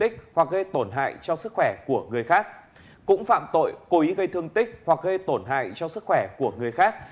cũng phạm tội cố ý gây thương tích hoặc gây tổn hại cho sức khỏe của người khác